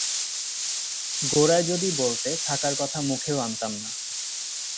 গোড়ায় যদি বলতে, থাকার কথা মুখেও আনতাম না।